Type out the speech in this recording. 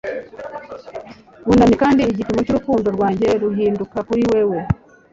bunamye, kandi igipimo cy'urukundo rwanjye ruhinduka kuri wewe